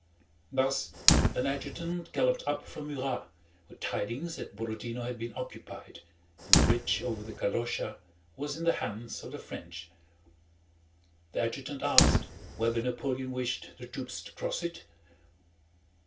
Thus an adjutant galloped up from Murat with tidings that Borodinó had been occupied and the bridge over the Kolochá was in the hands of the French. The adjutant asked whether Napoleon wished the troops to cross it?